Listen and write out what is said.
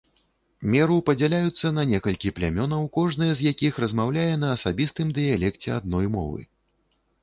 Меру падзяляюцца на некалькі плямёнаў, кожнае з якіх размаўляе на асабістым дыялекце адной мовы.